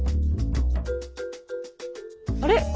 あれ？